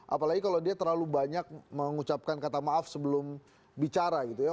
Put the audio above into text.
apalagi kalau dia terlalu banyak mengucapkan kata maaf sebelum bicara gitu ya